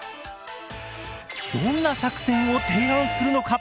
どんな作戦を提案するのか？